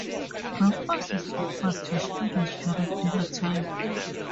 Breakfast is offered to students during dinner time.